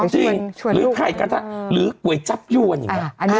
อ๋อจริงหรือใครกะทะหรือก่วยจั๊บยวนอย่างนี้